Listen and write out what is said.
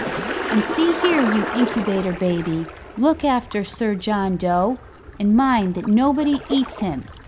And see here, you Incubator Baby, look after Sir John Dough, and mind that nobody eats him.